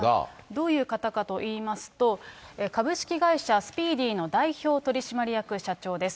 どういう方かといいますと、株式会社スピーディの代表取締役社長です。